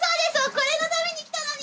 これのために来たのに！